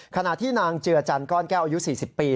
ขณะที่นางเจือจันก้อนแก้วอายุ๔๐ปี